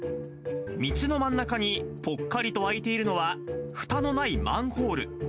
道の真ん中にぽっかりと開いているのは、ふたのないマンホール。